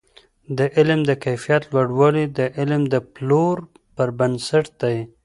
د علم د کیفیت لوړوالی د علم د پلور پر بنسټ دی.